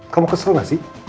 kamu kesel gak sih